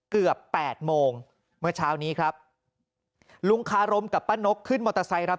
แปดโมงเมื่อเช้านี้ครับลุงคารมกับป้านกขึ้นมอเตอร์ไซค์รับ